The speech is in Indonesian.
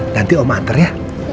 nanti om antar ya